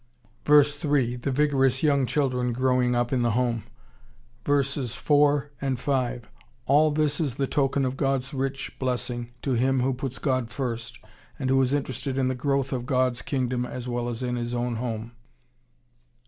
v. 3. The vigorous young children growing up in the home. v. 4, 5. All this is the token of God's rich blessing to him who puts God first, and who is interested in the growth of God's kingdom as well as in his own home.